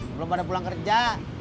belum pada pulang kerja